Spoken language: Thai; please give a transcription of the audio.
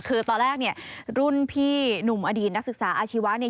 คือตอนแรกเนี่ยรุ่นพี่หนุ่มอดีตนักศึกษาอาชีวะเนี่ย